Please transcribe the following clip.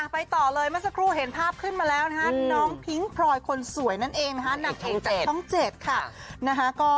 ไปต่อเลยเมื่อสักครู่เห็นภาพขึ้นมาแล้วนะคะน้องพิ้งพลอยคนสวยนั่นเองนะคะนางเอกจากช่อง๗ค่ะ